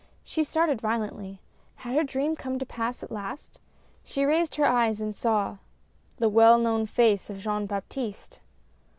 She started violently. Had her dream come to pass, at last ? She raised her eyes and saw the well known face of Jean Baptiste